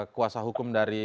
kuasa hukum dari